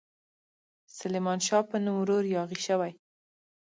سلیمان شاه په نوم ورور یاغي شوی.